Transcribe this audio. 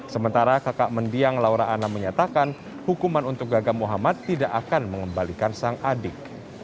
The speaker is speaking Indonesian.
sementara kakak mendiang laura anna menyatakan hukuman untuk gagam muhammad tidak akan mengembalikan sang adik